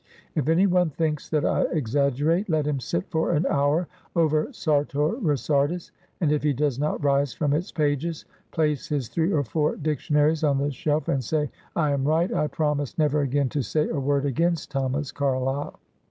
If any one thinks that I exaggerate, let him sit for an hour over ; Sartor Resartus/ and if he does not rise from its pages, place his three or four dictionaries on the shelf, and say I am right, I promise never again to say a word against Thomas Carlyle.